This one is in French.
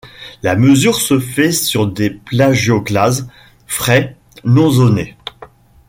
La mesure se fait sur des plagioclases frais, non zonés.